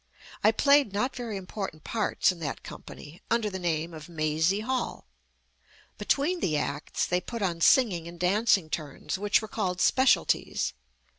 I played not very impor tant parts in that company under the name of Mazie Hall. Between the acts they put on sing ing and dancing turns which were called "spe cialties."